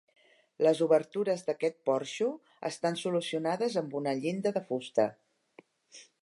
Les obertures d'aquest porxo estan solucionades amb una llinda de fusta.